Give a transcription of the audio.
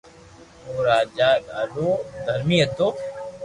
او راجا ڌاڌو درھمي ھتو